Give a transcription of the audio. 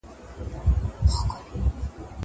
زه به سبا سندري واورم.